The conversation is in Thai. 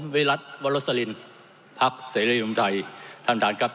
วิรัติโวรสลินภักดิ์เสรียรุ่นไทยท่านท่านครับ